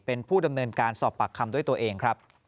เป็นผู้ดำเนินการสอบปากคำด้วยตัวเองครับ